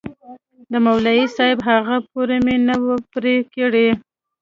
د مولوي صاحب هغه پور مې نه و پرې كړى.